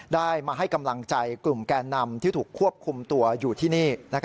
ได้มาให้กำลังใจกลุ่มแกนนำที่ถูกควบคุมตัวอยู่ที่นี่